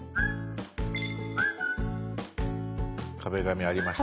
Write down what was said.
「壁紙」ありました。